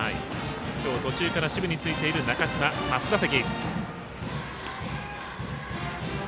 今日途中から守備についている中島、初打席。